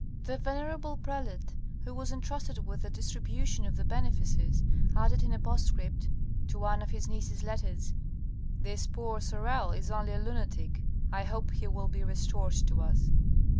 The venerable prelate, who was entrusted with the distribution of the benefices, added in a postscript to one of his niece's letters, "This poor Sorel is only a lunatic. I hope he will be restored to us."